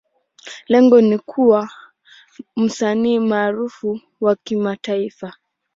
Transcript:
Lengo ni kuwa msanii maarufu wa kimataifa.